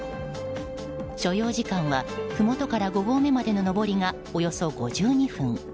所要時間は、ふもとから５合目までの上りがおよそ５２分。